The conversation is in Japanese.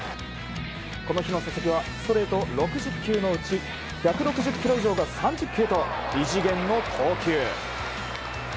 この日の佐々木はストレート６０球のうち１６０キロ以上が３０球と異次元の投球。